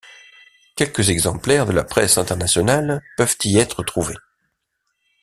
Quelques exemplaires de la presse internationale peuvent y être trouvé.